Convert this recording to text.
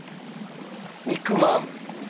肉まん？